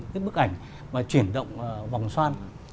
cái bức ảnh mà chuyển động vòng xoan